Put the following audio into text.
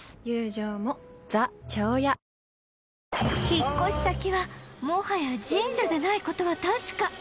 引っ越し先はもはや神社でない事は確か